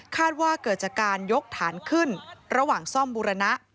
ว่าเกิดจากการยกฐานขึ้นระหว่างซ่อมบุรณะ